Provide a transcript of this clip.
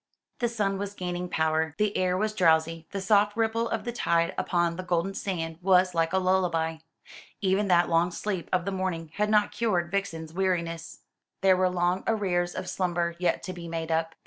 The sun was gaining power, the air was drowsy, the soft ripple of the tide upon the golden sand was like a lullaby. Even that long sleep of the morning had not cured Vixen's weariness. There were long arrears of slumber yet to be made up.